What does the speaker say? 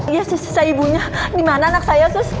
iya suster saya ibunya di mana anak saya suster